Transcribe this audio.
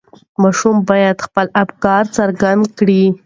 ماشومان باید خپل افکار څرګند کړي.